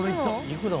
行くの？